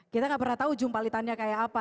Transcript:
kita nggak pernah tahu jumpalitannya kayak apa